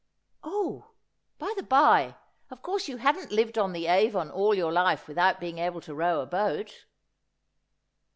Oh, by the bye, of course you haven't lived on the Avon all your life without being able to row a boat